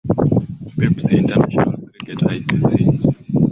pepsi international cricket icc